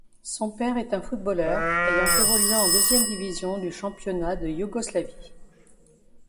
Son père est un footballeur, ayant évolué en deuxième division du championnat de Yougoslavie.